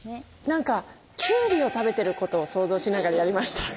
何かきゅうりを食べてることを想像しながらやりました。